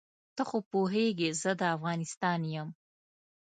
ته خو پوهېږې زه د افغانستان یم.